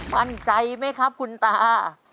มั่นใจไหมครับคุณตา